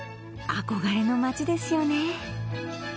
憧れの街ですよね